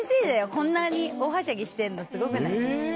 こんなに大はしゃぎしてるのすごくない？